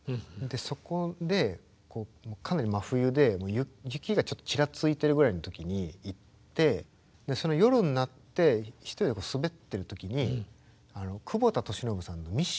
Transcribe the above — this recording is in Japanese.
そこでかなり真冬で雪がちょっとちらついてるぐらいの時に行ってその夜になって１人で滑ってる時に久保田利伸さんの「Ｍｉｓｓｉｎｇ」がかかって。